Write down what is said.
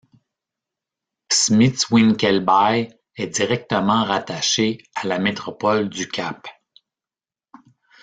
Smitswinkelbaai est directement rattaché à la métropole du Cap.